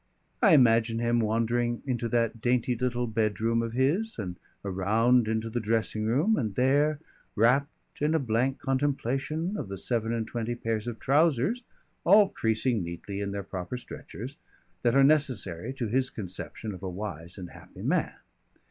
I imagine him wandering into that dainty little bed room of his and around into the dressing room, and there, rapt in a blank contemplation of the seven and twenty pairs of trousers (all creasing neatly in their proper stretchers) that are necessary to his conception of a wise and happy man.